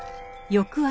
翌朝。